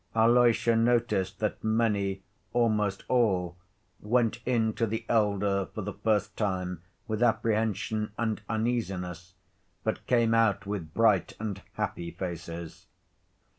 Alyosha noticed that many, almost all, went in to the elder for the first time with apprehension and uneasiness, but came out with bright and happy faces.